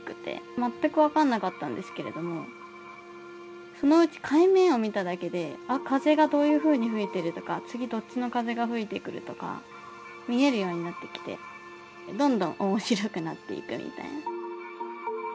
全く分かんなかったんですけれどもそのうち海面を見ただけであっ風がどういうふうに吹いてるとか次どっちの風が吹いてくるとか見えるようになってきてどんどん面白くなっていくみたいな。